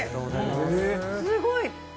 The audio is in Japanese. すごい。